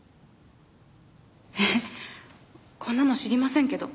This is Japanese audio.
こんなの知りませんけど。